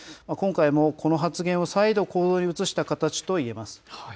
今回もこの発言を再度、行動に移した形といえます。